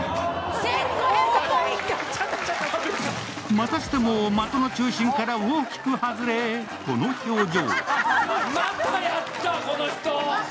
またしても的の中心から大きく外れ、この表情。